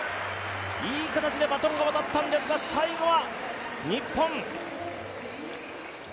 いい形でバトンが渡ったんですが最後は日本。